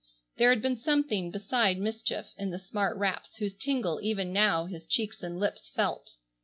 There had been something beside mischief in the smart raps whose tingle even now his cheeks and lips felt.